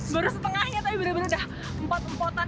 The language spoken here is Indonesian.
baru setengahnya tapi bener bener udah empot empotan